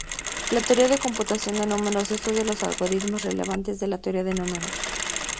La teoría computacional de números estudia los algoritmos relevantes de la teoría de números.